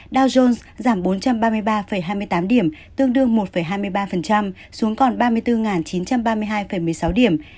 dow jones giảm bốn trăm ba mươi ba hai mươi tám điểm tương đương một hai mươi ba xuống còn ba mươi bốn chín trăm ba mươi hai một mươi sáu điểm